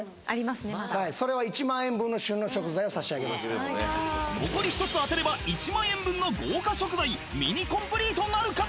まだはいそれは１万円分の旬の食材を差し上げますから残り１つ当てれば１万円分の豪華食材ミニコンプリートなるか？